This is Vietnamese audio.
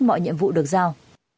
mọi nhiệm vụ được giao